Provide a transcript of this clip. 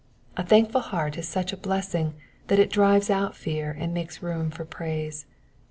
A thankful heart is such a blessing that it drives out fear and makes room for praise.